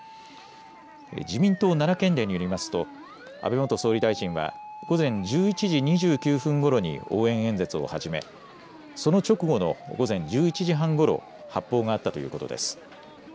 自民党奈良県連によりますと安倍元総理大臣は午前１１時２９分ごろに応援演説を始めその直後の午前１１時半ごろ発砲があったということです。